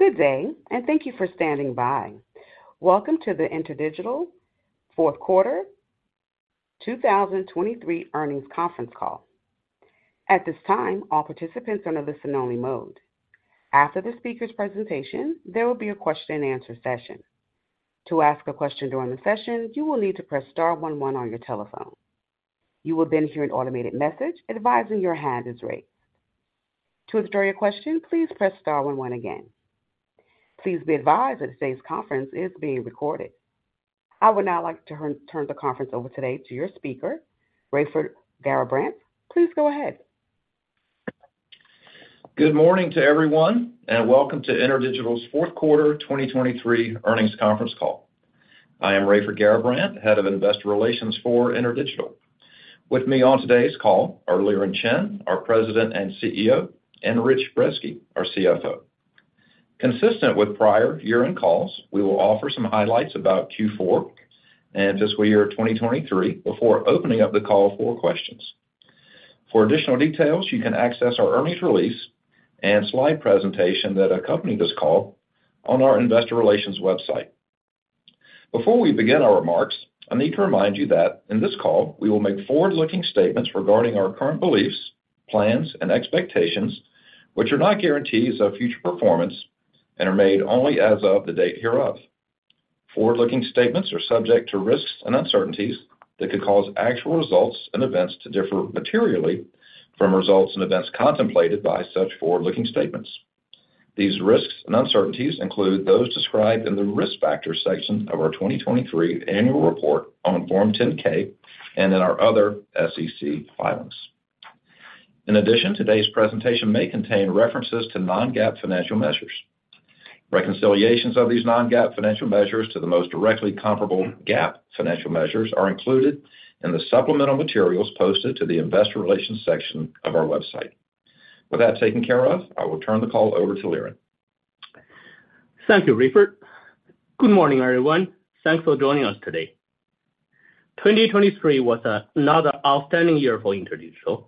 Good day and thank you for standing by. Welcome to the InterDigital Fourth Quarter 2023 earnings conference call. At this time, all participants are in a listen-only mode. After the speaker's presentation, there will be a question-and-answer session. To ask a question during the session, you will need to press star one one on your telephone. You will then hear an automated message advising your hand is raised. To withdraw your question, please press star one one again. Please be advised that today's conference is being recorded. I would now like to turn the conference over today to your speaker, Raiford Garrabrant. Please go ahead. Good morning to everyone, and welcome to InterDigital's Fourth Quarter 2023 earnings conference call. I am Raiford Garrabrant, Head of Investor Relations for InterDigital. With me on today's call are Liren Chen, our President and CEO, and Rich Brezski, our CFO. Consistent with prior year-end calls, we will offer some highlights about Q4 and just for year 2023 before opening up the call for questions. For additional details, you can access our earnings release and slide presentation that accompany this call on our investor relations website. Before we begin our remarks, I need to remind you that in this call, we will make forward-looking statements regarding our current beliefs, plans, and expectations, which are not guarantees of future performance and are made only as of the date hereof. Forward-looking statements are subject to risks and uncertainties that could cause actual results and events to differ materially from results and events contemplated by such forward-looking statements. These risks and uncertainties include those described in the risk factors section of our 2023 annual report on Form 10-K and in our other SEC filings. In addition, today's presentation may contain references to non-GAAP financial measures. Reconciliations of these non-GAAP financial measures to the most directly comparable GAAP financial measures are included in the supplemental materials posted to the investor relations section of our website. With that taken care of, I will turn the call over to Liren. Thank you, Raiford. Good morning, everyone. Thanks for joining us today. 2023 was another outstanding year for InterDigital.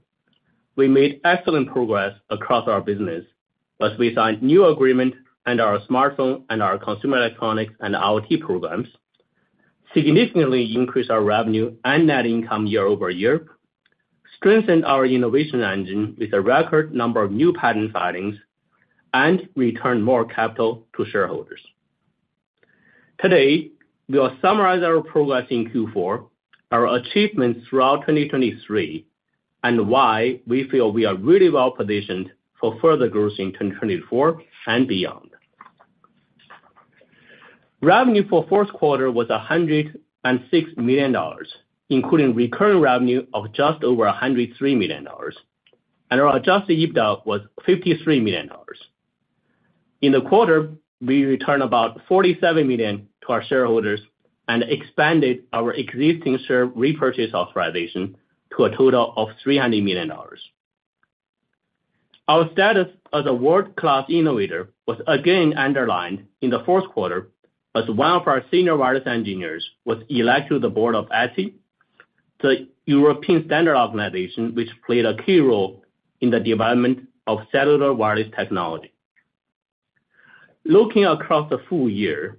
We made excellent progress across our business as we signed new agreements and our smartphone and our consumer electronics and IoT programs, significantly increased our revenue and net income year-over-year, strengthened our innovation engine with a record number of new patent filings, and returned more capital to shareholders. Today, we will summarize our progress in Q4, our achievements throughout 2023, and why we feel we are really well positioned for further growth in 2024 and beyond. Revenue for fourth quarter was $106 million, including recurring revenue of just over $103 million, and our Adjusted EBITDA was $53 million. In the quarter, we returned about $47 million to our shareholders and expanded our existing share repurchase authorization to a total of $300 million. Our status as a world-class innovator was again underlined in the fourth quarter as one of our senior wireless engineers was elected to the board of ETSI, the European Standard Organization, which played a key role in the development of cellular wireless technology. Looking across the full year,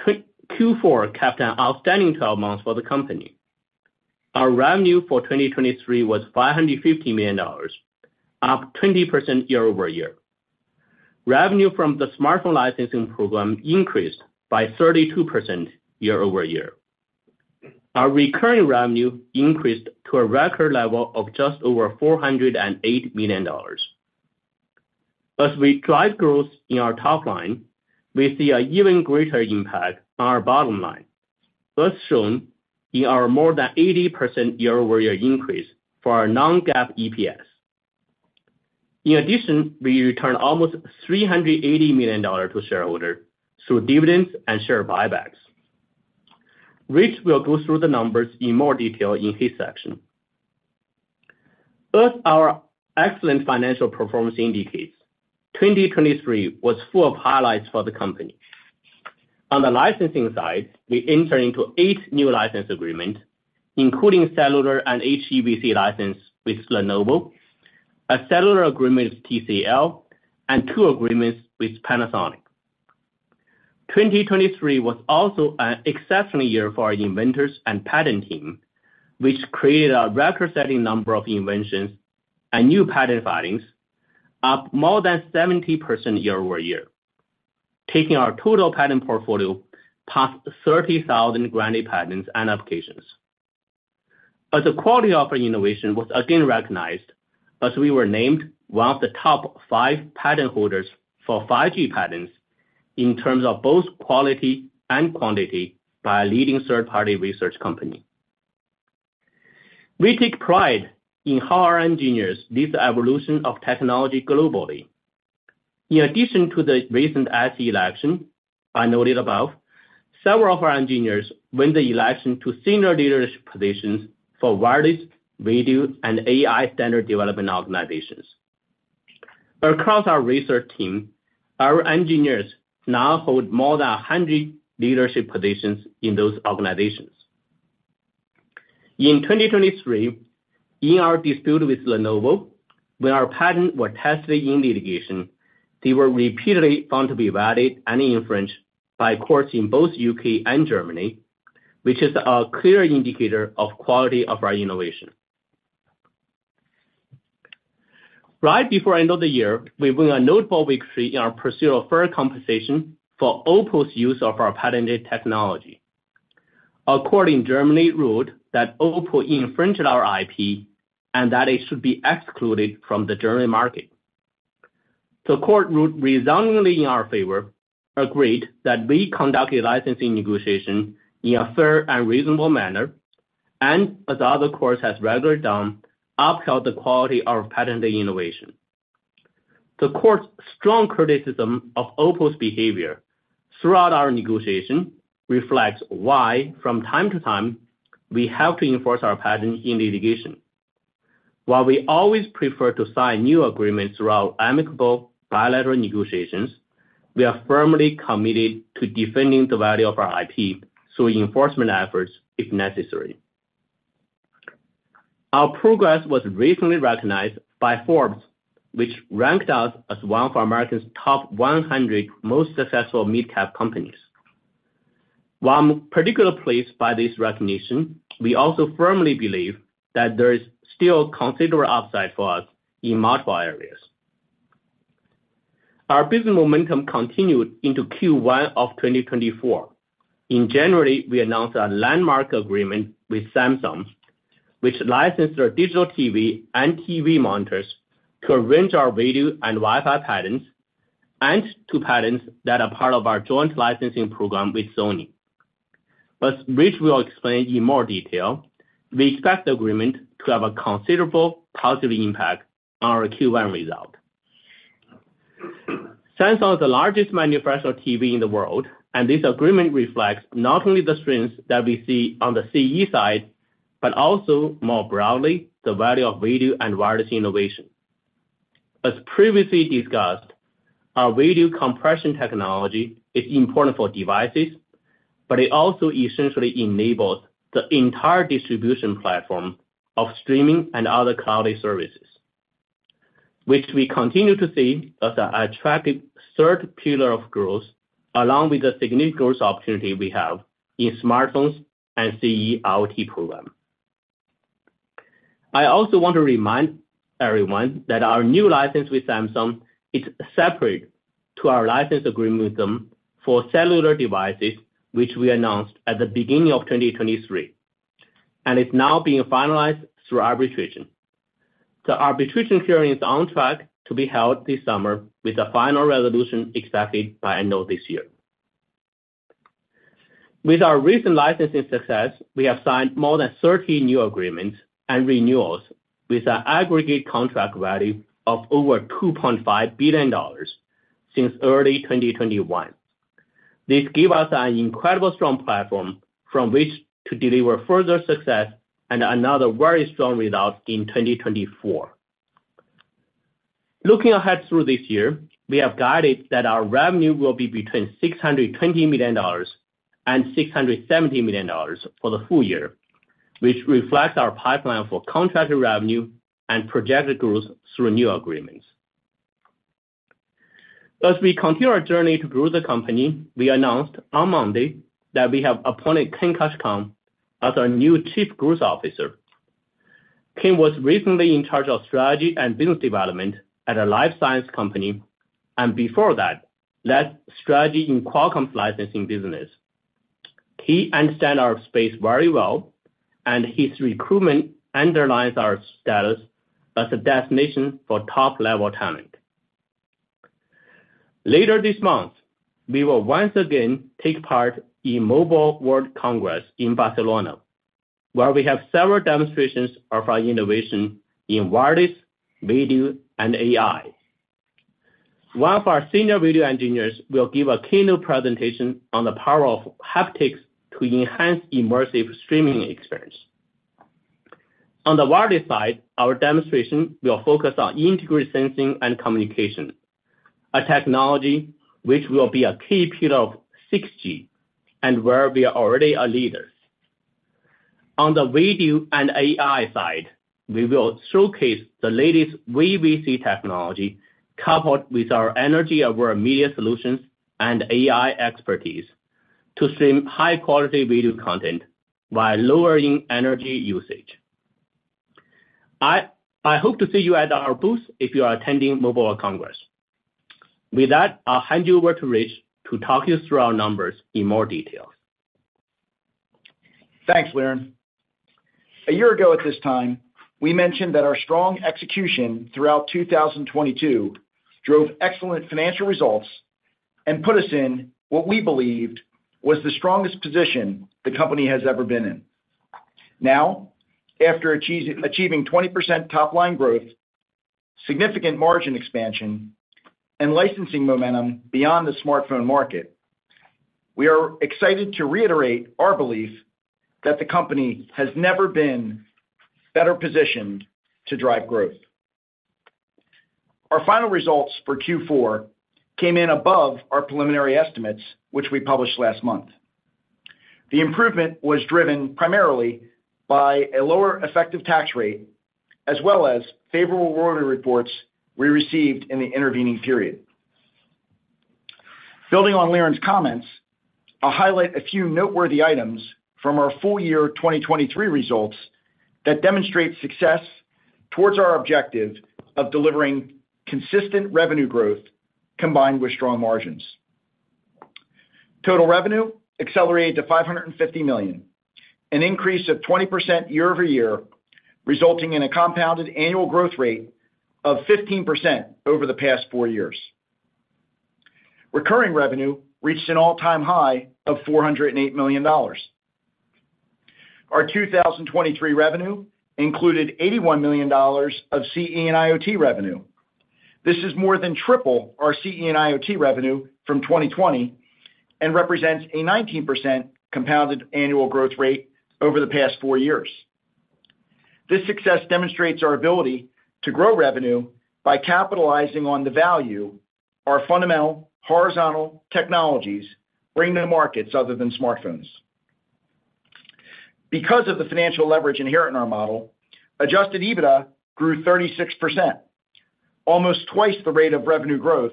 Q4 capped an outstanding 12 months for the company. Our revenue for 2023 was $550 million, up 20% year-over-year. Revenue from the smartphone licensing program increased by 32% year-over-year. Our recurring revenue increased to a record level of just over $408 million. As we drive growth in our top line, we see an even greater impact on our bottom line, as shown in our more than 80% year-over-year increase for our non-GAAP EPS. In addition, we returned almost $380 million to shareholders through dividends and share buybacks. Rich will go through the numbers in more detail in his section. As our excellent financial performance indicates, 2023 was full of highlights for the company. On the licensing side, we entered into eight new license agreements, including cellular and HEVC license with Lenovo, a cellular agreement with TCL, and two agreements with Panasonic. 2023 was also an exceptional year for our inventors and patent team, which created a record-setting number of inventions and new patent filings, up more than 70% year-over-year, taking our total patent portfolio past 30,000 granted patents and applications. As the quality of our innovation was again recognized, as we were named one of the top five patent holders for 5G patents in terms of both quality and quantity by a leading third-party research company. We take pride in how our engineers lead the evolution of technology globally. In addition to the recent ETSI election I noted above, several of our engineers won the election to senior leadership positions for wireless, radio, and AI standard development organizations. Across our research team, our engineers now hold more than 100 leadership positions in those organizations. In 2023, in our dispute with Lenovo, when our patents were tested in litigation, they were repeatedly found to be valid and infringed by courts in both U.K. and Germany, which is a clear indicator of quality of our innovation. Right before the end of the year, we won a notable victory in our pursuit of fair compensation for OPPO's use of our patented technology. A court in Germany ruled that OPPO infringed our IP and that it should be excluded from the German market. The court, resoundingly in our favor, agreed that we conducted licensing negotiations in a fair and reasonable manner and, as other courts have regularly done, upheld the quality of patented innovation. The court's strong criticism of OPPO's behavior throughout our negotiation reflects why, from time to time, we have to enforce our patent in litigation. While we always prefer to sign new agreements through amicable bilateral negotiations, we are firmly committed to defending the value of our IP through enforcement efforts if necessary. Our progress was recently recognized by Forbes, which ranked us as one of America's top 100 most successful mid-cap companies. While particularly pleased by this recognition, we also firmly believe that there is still considerable upside for us in multiple areas. Our business momentum continued into Q1 of 2024. In January, we announced a landmark agreement with Samsung, which licensed our digital TV and TV monitors, our radio and Wi-Fi patents, and patents that are part of our joint licensing program with Sony. As Rich will explain in more detail, we expect the agreement to have a considerable positive impact on our Q1 result. Samsung is the largest manufacturer of TV in the world, and this agreement reflects not only the strengths that we see on the CE side but also, more broadly, the value of radio and wireless innovation. As previously discussed, our radio compression technology is important for devices, but it also essentially enables the entire distribution platform of streaming and other cloud-based services, which we continue to see as an attractive third pillar of growth along with the significant growth opportunity we have in smartphones and CE IoT program. I also want to remind everyone that our new license with Samsung is separate from our license agreement with them for cellular devices, which we announced at the beginning of 2023, and it's now being finalized through arbitration. The arbitration hearing is on track to be held this summer with a final resolution expected by the end of this year. With our recent licensing success, we have signed more than 30 new agreements and renewals with an aggregate contract value of over $2.5 billion since early 2021. This gives us an incredibly strong platform from which to deliver further success and another very strong result in 2024. Looking ahead through this year, we have guided that our revenue will be between $620 million and $670 million for the full year, which reflects our pipeline for contracted revenue and projected growth through new agreements. As we continue our journey to grow the company, we announced on Monday that we have appointed Ken Kaskoun as our new Chief Growth Officer. Ken was recently in charge of strategy and business development at a life science company and, before that, led strategy in Qualcomm's licensing business. He understands our space very well, and his recruitment underlines our status as a destination for top-level talent. Later this month, we will once again take part in Mobile World Congress in Barcelona, where we have several demonstrations of our innovation in wireless, radio, and AI. One of our senior video engineers will give a keynote presentation on the power of haptics to enhance the immersive streaming experience. On the wireless side, our demonstration will focus on integrated sensing and communication, a technology which will be a key pillar of 6G and where we are already a leader. On the radio and AI side, we will showcase the latest VVC technology coupled with our energy-aware media solutions and AI expertise to stream high-quality video content while lowering energy usage. I hope to see you at our booth if you are attending Mobile World Congress. With that, I'll hand you over to Rich to talk you through our numbers in more detail. Thanks, Liren. A year ago at this time, we mentioned that our strong execution throughout 2022 drove excellent financial results and put us in what we believed was the strongest position the company has ever been in. Now, after achieving 20% top-line growth, significant margin expansion, and licensing momentum beyond the smartphone market, we are excited to reiterate our belief that the company has never been better positioned to drive growth. Our final results for Q4 came in above our preliminary estimates, which we published last month. The improvement was driven primarily by a lower effective tax rate as well as favorable award reports we received in the intervening period. Building on Liren's comments, I'll highlight a few noteworthy items from our full-year 2023 results that demonstrate success towards our objective of delivering consistent revenue growth combined with strong margins. Total revenue accelerated to $550 million, an increase of 20% year-over-year, resulting in a compounded annual growth rate of 15% over the past four years. Recurring revenue reached an all-time high of $408 million. Our 2023 revenue included $81 million of CE and IoT revenue. This is more than triple our CE and IoT revenue from 2020 and represents a 19% compounded annual growth rate over the past four years. This success demonstrates our ability to grow revenue by capitalizing on the value our fundamental horizontal technologies bring to the markets other than smartphones. Because of the financial leverage inherent in our model, adjusted EBITDA grew 36%, almost twice the rate of revenue growth,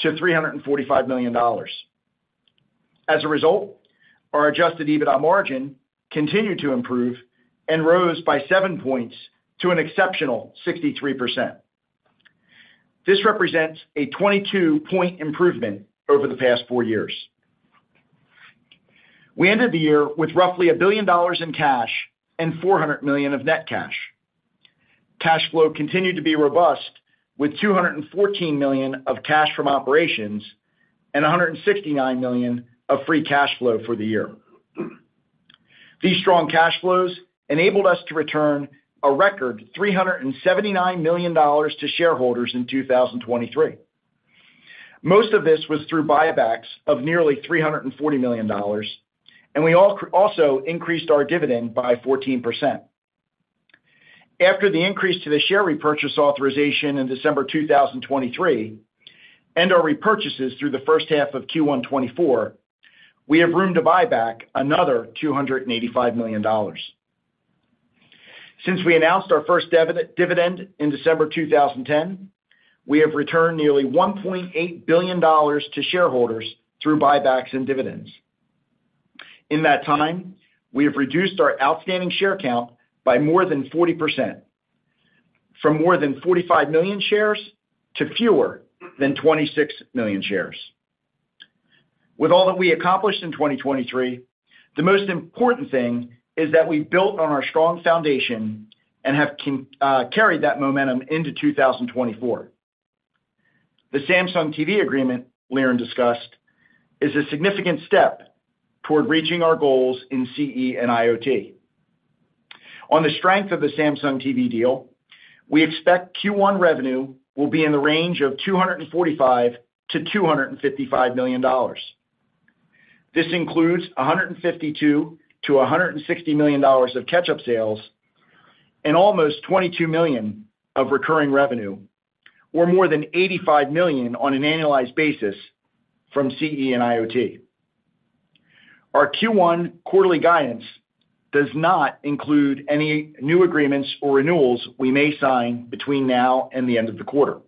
to $345 million. As a result, our adjusted EBITDA margin continued to improve and rose by seven points to an exceptional 63%. This represents a 22-point improvement over the past four years. We ended the year with roughly $1 billion in cash and $400 million of net cash. Cash flow continued to be robust with $214 million of cash from operations and $169 million of free cash flow for the year. These strong cash flows enabled us to return a record $379 million to shareholders in 2023. Most of this was through buybacks of nearly $340 million, and we also increased our dividend by 14%. After the increase to the share repurchase authorization in December 2023 and our repurchases through the first half of Q1 2024, we have room to buy back another $285 million. Since we announced our first dividend in December 2010, we have returned nearly $1.8 billion to shareholders through buybacks and dividends. In that time, we have reduced our outstanding share count by more than 40%, from more than 45 million shares to fewer than 26 million shares. With all that we accomplished in 2023, the most important thing is that we built on our strong foundation and have carried that momentum into 2024. The Samsung TV agreement, Liren discussed, is a significant step toward reaching our goals in CE and IoT. On the strength of the Samsung TV deal, we expect Q1 revenue will be in the range of $245 million-$255 million. This includes $152 million-$160 million of catch-up sales and almost $22 million of recurring revenue, or more than $85 million on an annualized basis from CE and IoT. Our Q1 quarterly guidance does not include any new agreements or renewals we may sign between now and the end of the quarter.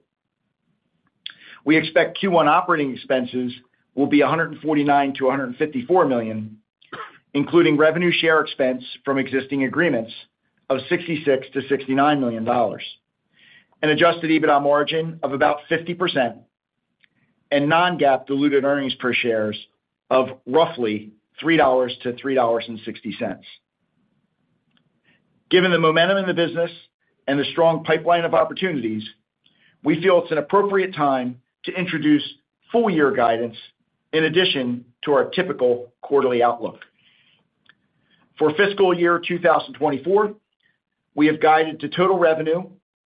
We expect Q1 operating expenses will be $149 million-$154 million, including revenue share expense from existing agreements of $66 million-$69 million, an adjusted EBITDA margin of about 50%, and non-GAAP diluted earnings per share of roughly $3-$3.60. Given the momentum in the business and the strong pipeline of opportunities, we feel it's an appropriate time to introduce full-year guidance in addition to our typical quarterly outlook. For fiscal year 2024, we have guided to total revenue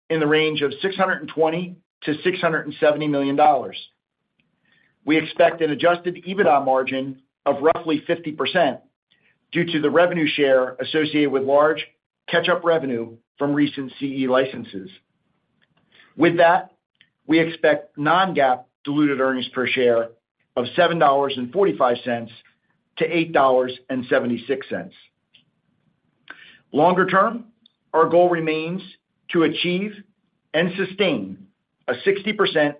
in the range of $620 million-$670 million. We expect an adjusted EBITDA margin of roughly 50% due to the revenue share associated with large catch-up revenue from recent CE licenses. With that, we expect non-GAAP diluted earnings per share of $7.45-$8.76. Longer term, our goal remains to achieve and sustain a 60%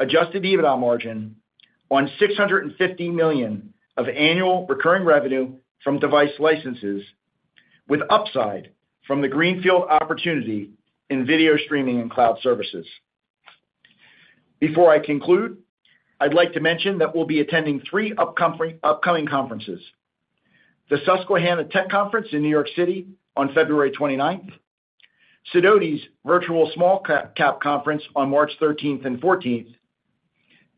adjusted EBITDA margin on $650 million of annual recurring revenue from device licenses, with upside from the greenfield opportunity in video streaming and cloud services. Before I conclude, I'd like to mention that we'll be attending three upcoming conferences: the Susquehanna Tech Conference in New York City on February 29th, Sidoti's Virtual Small Cap Conference on March 13th and 14th,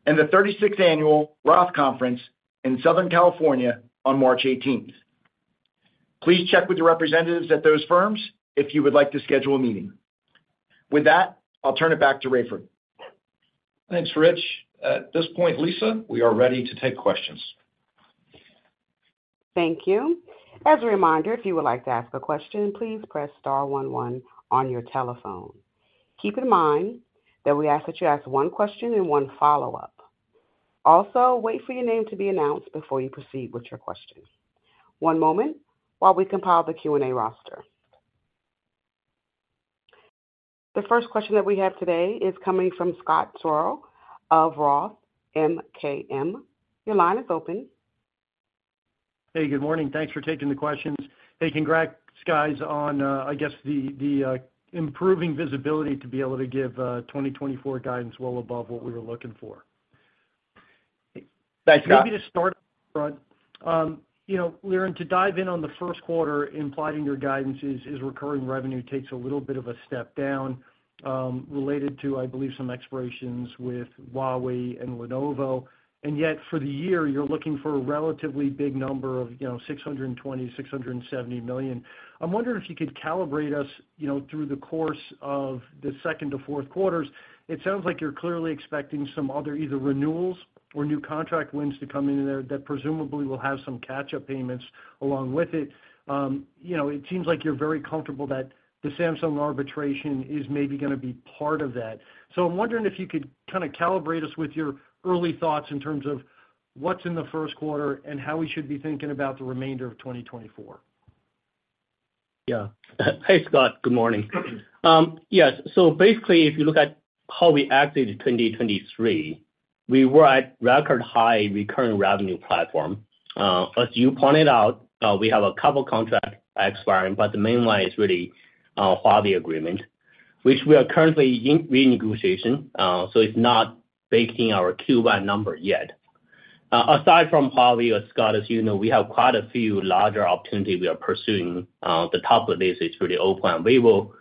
and the 36th Annual Roth Conference in Southern California on March 18th. Please check with the representatives at those firms if you would like to schedule a meeting. With that, I'll turn it back to Raiford. Thanks, Rich. At this point, Lisa, we are ready to take questions. Thank you. As a reminder, if you would like to ask a question, please press star one one on your telephone. Keep in mind that we ask that you ask one question and one follow-up. Also, wait for your name to be announced before you proceed with your question. One moment while we compile the Q&A roster. The first question that we have today is coming from Scott Searle of Roth MKM. Your line is open. Hey, good morning. Thanks for taking the questions. Hey, congrats, guys, on, I guess, the improving visibility to be able to give 2024 guidance well above what we were looking for. Thanks, Scott. Maybe to start up front, Liren, to dive in on the first quarter implied in your guidance is recurring revenue takes a little bit of a step down related to, I believe, some expirations with Huawei and Lenovo. And yet, for the year, you're looking for a relatively big number of $620 million-$670 million. I'm wondering if you could calibrate us through the course of the second to fourth quarters. It sounds like you're clearly expecting some other either renewals or new contract wins to come in there that presumably will have some catch-up payments along with it. It seems like you're very comfortable that the Samsung arbitration is maybe going to be part of that. So I'm wondering if you could kind of calibrate us with your early thoughts in terms of what's in the first quarter and how we should be thinking about the remainder of 2024. Yeah. Hey, Scott. Good morning. Yes. So basically, if you look at how we acted in 2023, we were at record high recurring revenue platform. As you pointed out, we have a couple of contracts expiring, but the main one is really Huawei agreement, which we are currently in renegotiation. So it's not baked in our Q1 number yet. Aside from Huawei, Scott, as you know, we have quite a few larger opportunities we are pursuing. The top of this is really open and visible.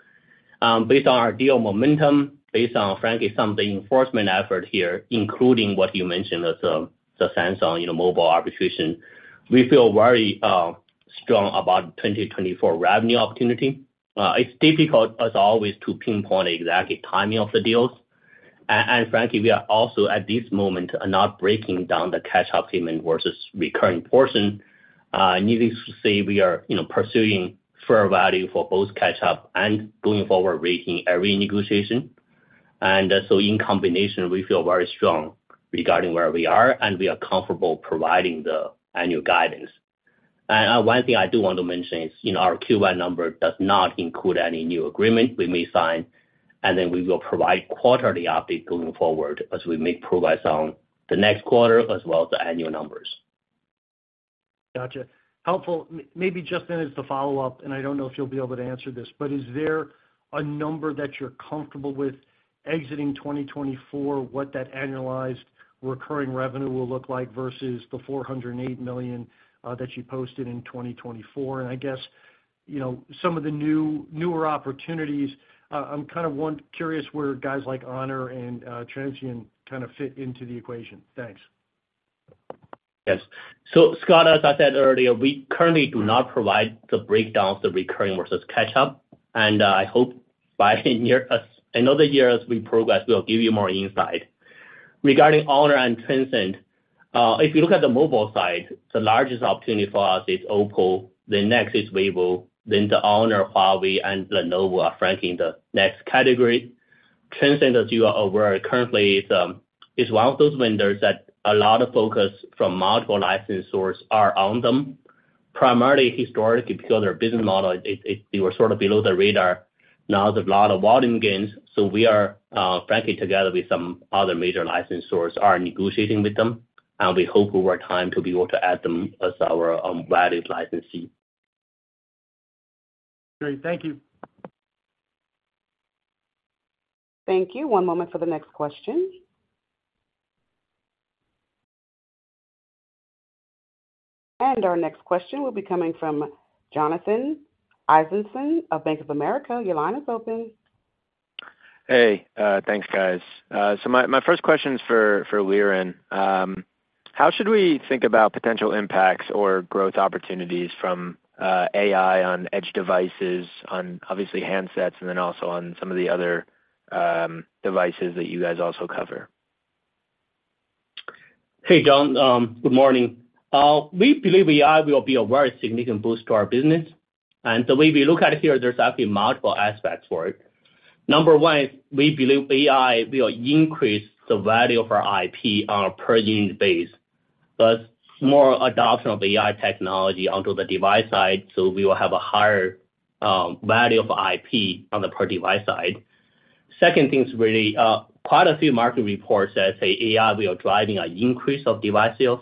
Based on our deal momentum, based on, frankly, some of the enforcement effort here, including what you mentioned as the Samsung mobile arbitration, we feel very strong about 2024 revenue opportunity. It's difficult, as always, to pinpoint the exact timing of the deals. And frankly, we are also, at this moment, not breaking down the catch-up payment versus recurring portion. Needless to say, we are pursuing fair value for both catch-up and going forward rating at renegotiation. So in combination, we feel very strong regarding where we are, and we are comfortable providing the annual guidance. One thing I do want to mention is our Q1 number does not include any new agreement we may sign, and then we will provide quarterly updates going forward as we make progress on the next quarter as well as the annual numbers. Gotcha. Helpful. Maybe just then as the follow-up, and I don't know if you'll be able to answer this, but is there a number that you're comfortable with exiting 2024, what that annualized recurring revenue will look like versus the $408 million that you posted in 2024? And I guess some of the newer opportunities, I'm kind of curious where guys like Honor and Transsion kind of fit into the equation. Thanks. Yes. So Scott, as I said earlier, we currently do not provide the breakdown of the recurring versus catch-up. I hope by another year as we progress, we'll give you more insight. Regarding Honor and Transsion, if you look at the mobile side, the largest opportunity for us is OPPO. Then next is Vivo. Then the Honor, Huawei, and Lenovo are frankly in the next category. Transsion, as you are aware, currently is one of those vendors that a lot of focus from multiple license sources are on them, primarily historically because their business model, they were sort of below the radar. Now there's a lot of volume gains. So we are frankly together with some other major license sources are negotiating with them, and we hope over time to be able to add them as our valued licensee. Great. Thank you. Thank you. One moment for the next question. Our next question will be coming from Jonathan Eisenson of Bank of America. Your line is open. Hey. Thanks, guys. So my first question is for Liren. How should we think about potential impacts or growth opportunities from AI on edge devices, on obviously handsets, and then also on some of the other devices that you guys also cover? Hey, Jon. Good morning. We believe AI will be a very significant boost to our business. The way we look at it here, there's actually multiple aspects for it. Number one, we believe AI will increase the value of our IP on a per-unit basis. There's more adoption of AI technology onto the device side, so we will have a higher value of IP on the per-device side. Second thing is really quite a few market reports that say AI will be driving an increase of device sales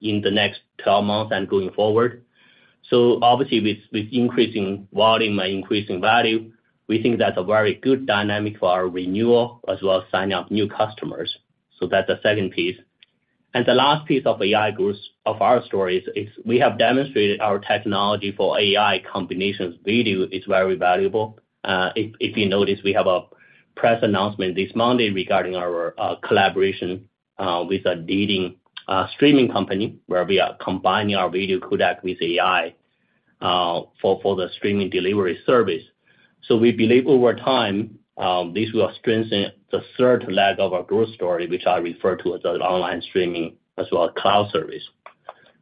in the next 12 months and going forward. So obviously, with increasing volume and increasing value, we think that's a very good dynamic for our renewal as well as signing up new customers. That's the second piece. The last piece of our story is we have demonstrated our technology for AI combinations. Video is very valuable. If you notice, we have a press announcement this Monday regarding our collaboration with a leading streaming company where we are combining our video codec with AI for the streaming delivery service. So we believe over time, this will strengthen the third leg of our growth story, which I refer to as an online streaming as well as cloud service.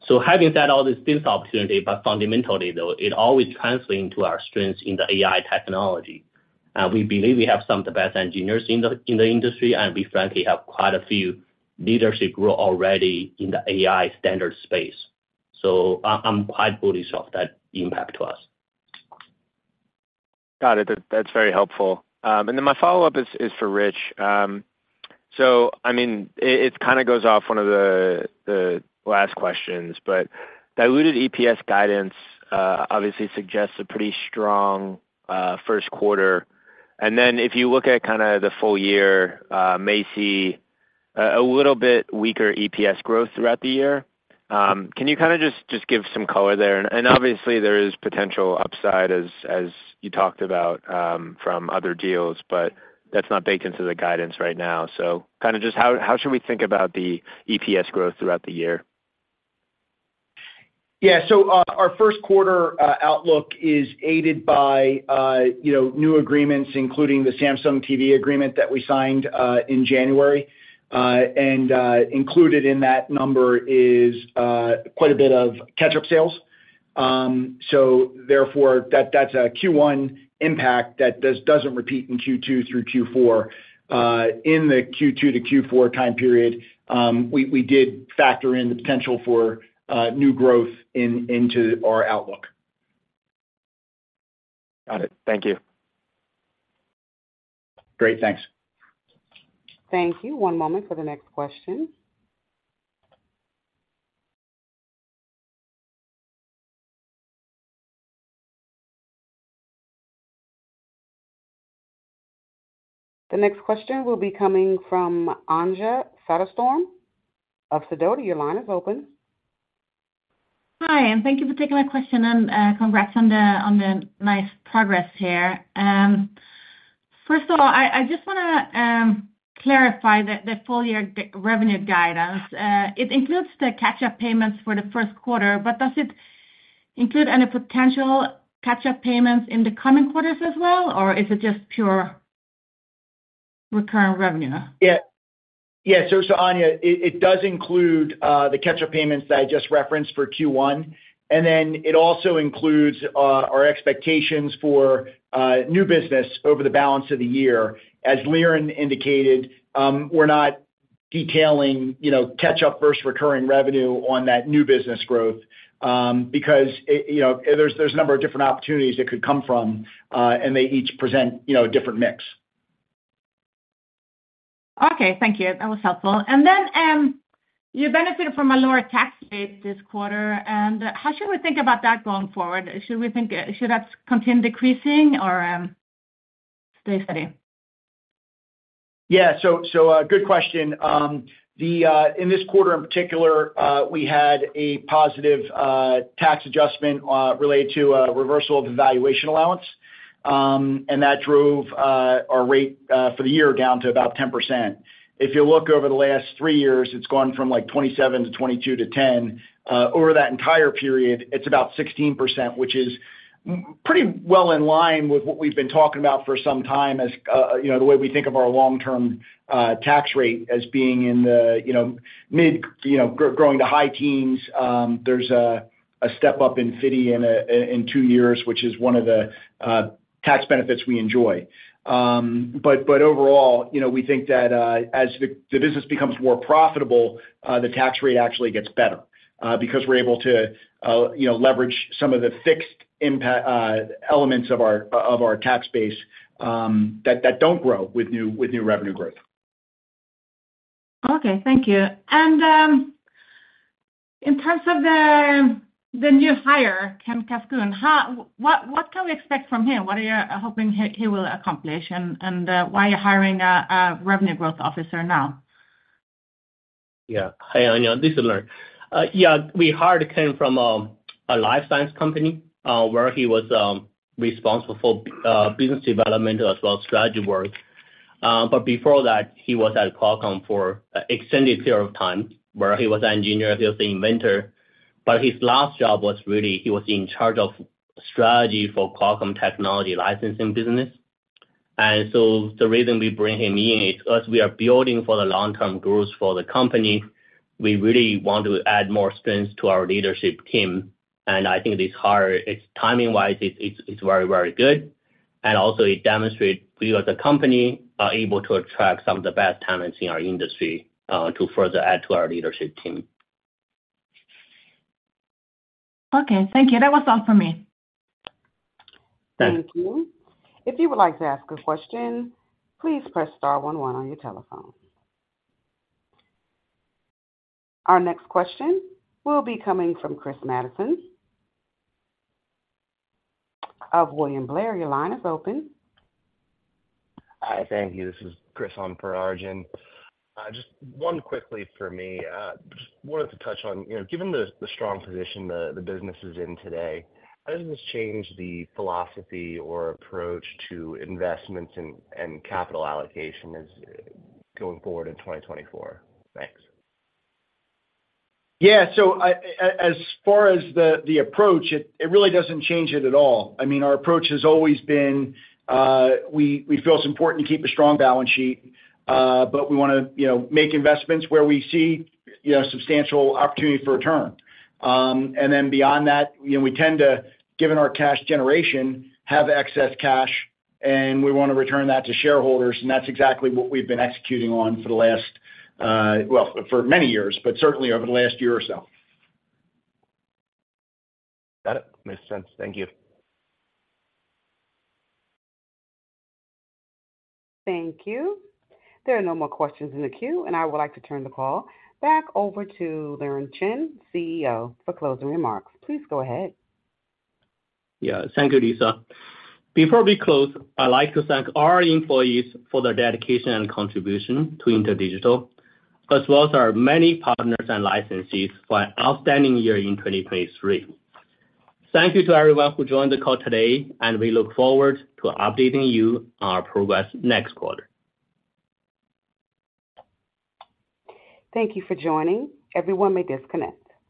So having said all this, this opportunity, but fundamentally, though, it always translates into our strengths in the AI technology. And we believe we have some of the best engineers in the industry, and we frankly have quite a few leadership roles already in the AI standard space. So I'm quite bullish on that impact to us. Got it. That's very helpful. And then my follow-up is for Rich. So I mean, it kind of goes off one of the last questions, but diluted EPS guidance obviously suggests a pretty strong first quarter. And then if you look at kind of the full year, may see a little bit weaker EPS growth throughout the year. Can you kind of just give some color there? And obviously, there is potential upside as you talked about from other deals, but that's not baked into the guidance right now. So kind of just how should we think about the EPS growth throughout the year? Yeah. So our first quarter outlook is aided by new agreements, including the Samsung TV agreement that we signed in January. And included in that number is quite a bit of catch-up sales. So therefore, that's a Q1 impact that doesn't repeat in Q2 through Q4. In the Q2 to Q4 time period, we did factor in the potential for new growth into our outlook. Got it. Thank you. Great. Thanks. Thank you. One moment for the next question. The next question will be coming from Anja Soderstrom of Sidoti. Your line is open. Hi, and thank you for taking my question. And congrats on the nice progress here. First of all, I just want to clarify the full-year revenue guidance. It includes the catch-up payments for the first quarter, but does it include any potential catch-up payments in the coming quarters as well, or is it just pure recurring revenue? Yeah. Yeah. So Anja, it does include the catch-up payments that I just referenced for Q1. And then it also includes our expectations for new business over the balance of the year. As Liren indicated, we're not detailing catch-up versus recurring revenue on that new business growth because there's a number of different opportunities it could come from, and they each present a different mix. Okay. Thank you. That was helpful. And then you benefited from a lower tax rate this quarter. And how should we think about that going forward? Should that continue decreasing or stay steady? Yeah. So good question. In this quarter in particular, we had a positive tax adjustment related to a reversal of valuation allowance, and that drove our rate for the year down to about 10%. If you look over the last three years, it's gone from like 27% to 22%-10%. Over that entire period, it's about 16%, which is pretty well in line with what we've been talking about for some time as the way we think of our long-term tax rate as being in the mid- to high teens. There's a step up in FDII in two years, which is one of the tax benefits we enjoy. But overall, we think that as the business becomes more profitable, the tax rate actually gets better because we're able to leverage some of the fixed elements of our tax base that don't grow with new revenue growth. Okay. Thank you. In terms of the new hire, Ken Kaskoun, what can we expect from him? What are you hoping he will accomplish and why are you hiring a revenue growth officer now? Yeah. Hi, Anja. This is Liren. Yeah. We hired Ken from a life science company where he was responsible for business development as well as strategy work. But before that, he was at Qualcomm for an extended period of time where he was an engineer. He was an inventor. But his last job was really he was in charge of strategy for Qualcomm technology licensing business. And so the reason we bring him in is us, we are building for the long-term growth for the company. We really want to add more strength to our leadership team. And I think this hire, timing-wise, is very, very good. And also, it demonstrates we as a company are able to attract some of the best talents in our industry to further add to our leadership team. Okay. Thank you. That was all from me. Thanks. Thank you. If you would like to ask a question, please press star one one on your telephone. Our next question will be coming from Chris Madison of William Blair. Your line is open. Hi. Thank you. This is Chris from William Blair. Just one quickly for me. Just wanted to touch on given the strong position the business is in today, how does this change the philosophy or approach to investments and capital allocation going forward in 2024? Thanks. Yeah. So as far as the approach, it really doesn't change it at all. I mean, our approach has always been we feel it's important to keep a strong balance sheet, but we want to make investments where we see substantial opportunity for return. And then beyond that, we tend to, given our cash generation, have excess cash, and we want to return that to shareholders. And that's exactly what we've been executing on for the last well, for many years, but certainly over the last year or so. Got it. Makes sense. Thank you. Thank you. There are no more questions in the queue, and I would like to turn the call back over to Liren Chen, CEO, for closing remarks. Please go ahead. Yeah. Thank you, Lisa. Before we close, I'd like to thank our employees for their dedication and contribution to InterDigital as well as our many partners and licensees for an outstanding year in 2023. Thank you to everyone who joined the call today, and we look forward to updating you on our progress next quarter. Thank you for joining. Everyone may disconnect.